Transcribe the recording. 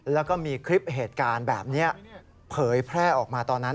แล้วก็มีคลิปเหตุการณ์แบบนี้เผยแพร่ออกมาตอนนั้น